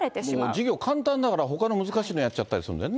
授業簡単だから、ほかの難しいのやっちゃったりするんだよね。